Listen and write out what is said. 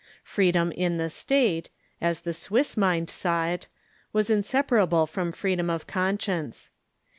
Freedom in the State, as the Swiss mind saw it, was inseparable from freedom of conscience.